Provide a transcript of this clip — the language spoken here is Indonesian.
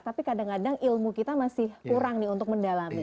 tapi kadang kadang ilmu kita masih kurang nih untuk mendalami